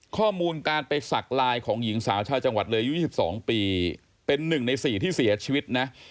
ข้อมูลการไปสักลายของหญิงสาวชาวจังหวัดเลยอายุ๒๒ปีเป็น๑ใน๔ที่เสียชีวิตนะ